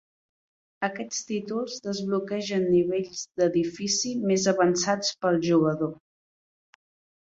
Aquests títols desbloquegen nivells d'edifici més avançats pel jugador.